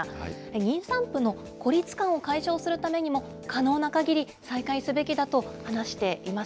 妊産婦の孤立感を解消するためにも、可能なかぎり再開すべきだと話しています。